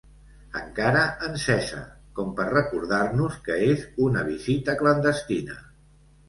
Encara encesa, com per recordar-nos que és una visita clandestina.